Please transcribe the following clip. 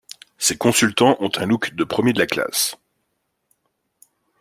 Ces consultants ont un look de premiers de la classe.